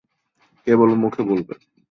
কেবল মুখে বলবে।